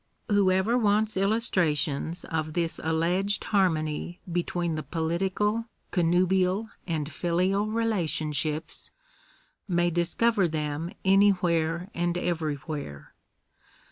Whoever wants illustrations of this alleged harmony between the political, connubial, and filial relationships, may discover them anywhere and everywhere.